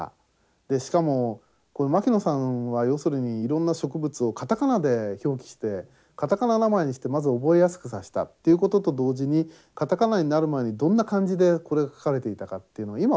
でしかも牧野さんは要するにいろんな植物を片仮名で表記して片仮名名前にしてまず覚えやすくさしたっていうことと同時に片仮名になる前にどんな漢字でこれが書かれていたかっていうのは今は分かんないですよね。